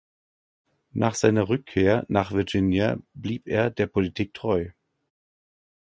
Nach seiner Rückkehr nach Virginia blieb er der Politik treu.